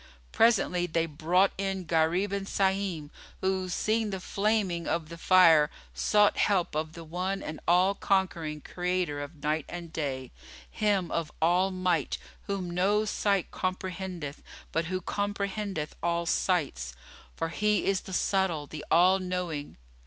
Presently they brought in Gharib and Sahim who, seeing the flaming of the fire, sought help of the One, the All conquering Creator of night and day, Him of All might, whom no sight comprehendeth, but who comprehendeth all sights, for He is the Subtle, the All knowing.